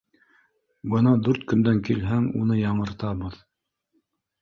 Бына дүрт көндән килһәң, уны яңыртабыҙ.